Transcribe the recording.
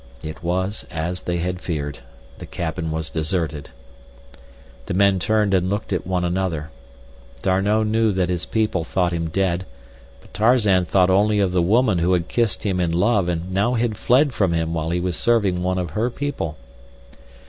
It was as they had feared. The cabin was deserted. The men turned and looked at one another. D'Arnot knew that his people thought him dead; but Tarzan thought only of the woman who had kissed him in love and now had fled from him while he was serving one of her people.